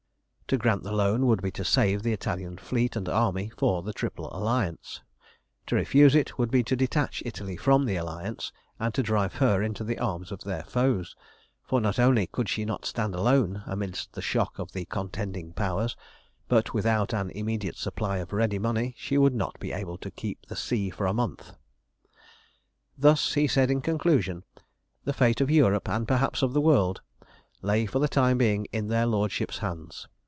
To grant the loan would be to save the Italian fleet and army for the Triple Alliance; to refuse it would be to detach Italy from the Alliance, and to drive her into the arms of their foes, for not only could she not stand alone amidst the shock of the contending Powers, but without an immediate supply of ready money she would not be able to keep the sea for a month. Thus, he said in conclusion, the fate of Europe, and perhaps of the world, lay for the time being in their Lordships' hands.